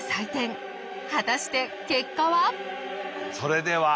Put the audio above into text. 果たして結果は！？